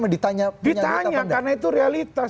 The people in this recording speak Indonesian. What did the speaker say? ditanya karena itu realitas